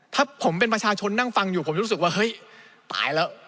ถ้าผมเป็นประชาชนนั่งฟังอยู่ผมจะรู้สึกว่าเฮ้ยตายแล้ว